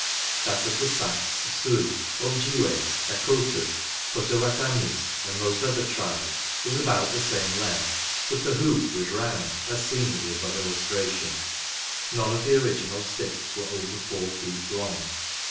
That of the Sacs, Sioux, Objiways, Dacotahs, Poutawatamies, and most other tribes was about the same length, but the hoop was round as seen in the above illustration. None of the original sticks were over four feet long.